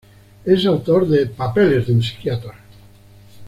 Es autor de "Papeles de un psiquiatra.